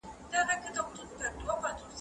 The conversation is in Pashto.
اقتصادي وده د پانګي په مهارت پوري اړه لري.